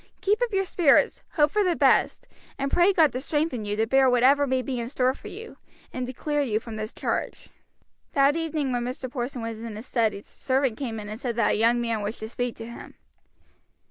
Keep up your spirits, hope for the best, and pray God to strengthen you to bear whatever may be in store for you, and to clear you from this charge." That evening when Mr. Porson was in his study the servant came in and said that a young man wished to speak to him.